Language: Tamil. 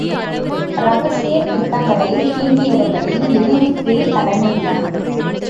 இரகசியத் திட்டங்களைத் தீட்டியவர்களில் லெனினுக்கே தலைமை இடம்.